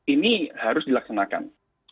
ini harus dilaksanakan